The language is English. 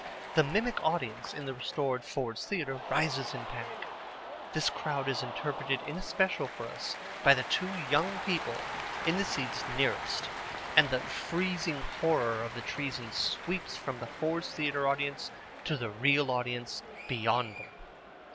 The mimic audience in the restored Ford's Theatre rises in panic. This crowd is interpreted in especial for us by the two young people in the seats nearest, and the freezing horror of the treason sweeps from the Ford's Theatre audience to the real audience beyond them.